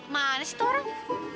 mana sih itu orang